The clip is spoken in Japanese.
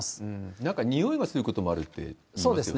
なんかにおいがすることもあるっていいますよね。